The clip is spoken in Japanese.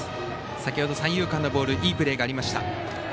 先ほど三遊間のボールいいプレーがありました。